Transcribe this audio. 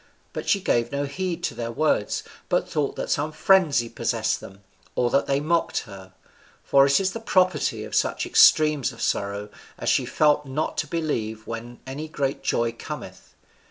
But she gave no heed to their words, but thought that some frenzy possessed them, or that they mocked her; for it is the property of such extremes of sorrow as she had felt not to believe when any great joy cometh.